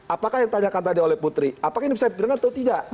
apakah yang ditanyakan tadi oleh putri apakah ini bisa dipidana atau tidak